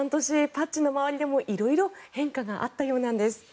パッチの周りでも色々変化があったようなんです。